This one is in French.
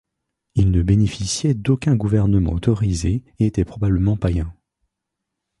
Ils ne bénéficiaient d'aucun gouvernement autorisé et étaient probablement païens.